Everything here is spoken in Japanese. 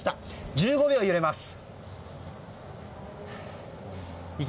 １５秒揺れます。